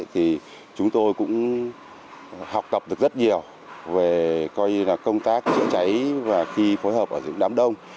thì chúng tôi cũng học tập được rất nhiều về công tác trịa trái và khi phối hợp ở những đám đông